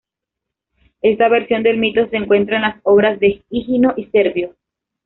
Esta versión del mito se encuentra en las obras de Higino y Servio.